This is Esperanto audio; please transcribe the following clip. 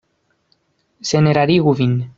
Senerarigu vin.